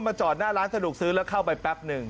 จอดหน้าร้านสะดวกซื้อแล้วเข้าไปแป๊บหนึ่ง